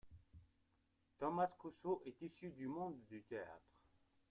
Thomas Cousseau est issu du monde du théâtre.